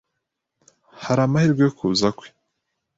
Hari amahirwe yo kuza kwe?